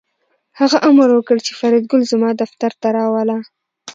هغه امر وکړ چې فریدګل زما دفتر ته راوله